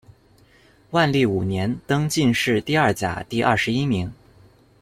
万历五年，登进士第二甲第二十一名。